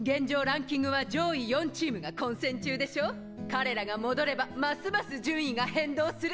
彼らが戻ればますます順位が変動する！